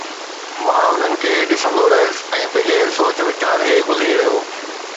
مان انهن کي ڏسندو رهيس ۽ بغير سوچ ويچار جي گذري ويو